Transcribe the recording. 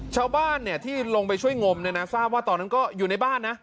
ชาวบ้านที่ลงไปช่วยงมเนี่ยนะทราบว่าตอนนั้นก็อยู่ในบ้านนะ